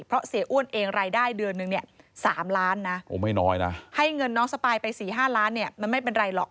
เพราะเสียอ้วนเองรายได้เดือนนึง๓ล้านนะให้เงินน้องสปายไป๔๕ล้านมันไม่เป็นไรหรอก